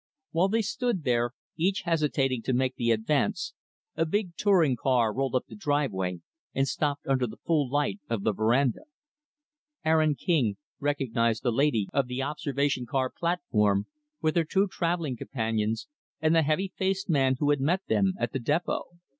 While they stood there, each hesitating to make the advance, a big touring car rolled up the driveway, and stopped under the full light of the veranda. Aaron King recognized the lady of the observation car platform, with her two traveling companions and the heavy faced man who had met them at the depot.